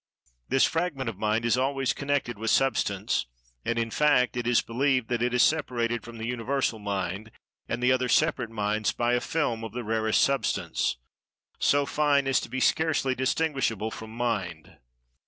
This fragment of Mind is always connected with Substance, and, in fact, it is believed that it is separated from the Universal Mind, and the other Separate Minds by a "film" of the rarest Substance, so fine as to be scarcely distinguishable from Mind.